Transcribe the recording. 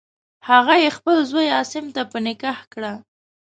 هغه یې خپل زوی عاصم ته په نکاح کړه.